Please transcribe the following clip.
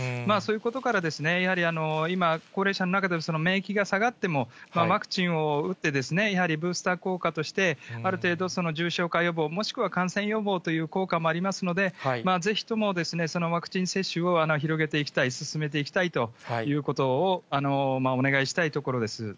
そういうことから、やはり今、高齢者の中で免疫が下がっても、ワクチンを打って、やはりブースター効果として、ある程度重症化予防、もしくは感染予防という効果もありますので、ぜひともワクチン接種を広げていきたい、進めていきたいということをお願いしたいところです。